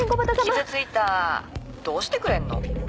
傷ついたどうしてくれんの？